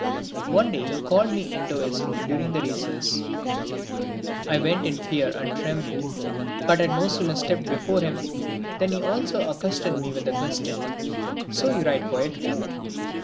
One day he called me into his room during the recess. I went in fear and trembling but had no sooner stepped before him than he also accosted me with the question: "So you write poetry?"